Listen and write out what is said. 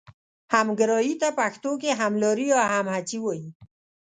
همګرایي ته پښتو کې هملاري یا همهڅي وايي.